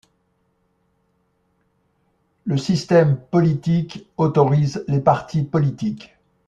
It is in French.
Le système politique autorise les partis politiques.